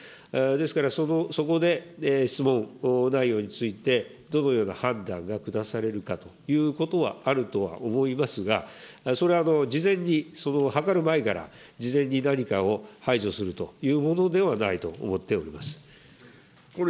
ですから、そこで質問内容についてどのような判断が下されるかということはあるとは思いますが、それは事前に、諮る前から、事前に何かを排除するというものではないと思っております。